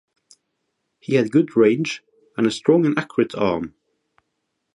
He had good range and a strong and accurate arm.